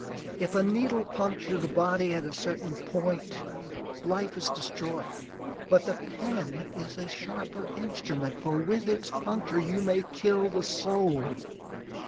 If a needle puncture the body at a certain point, life is destroyed; but the pen is a sharper instrument, for with its puncture you may kill the soul.